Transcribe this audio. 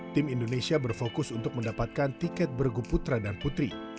tim indonesia berfokus untuk mendapatkan tiket bergu putra dan putri